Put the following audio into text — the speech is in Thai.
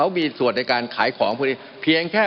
มันมีมาต่อเนื่องมีเหตุการณ์ที่ไม่เคยเกิดขึ้น